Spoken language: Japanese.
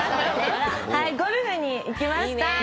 ゴルフに行きました。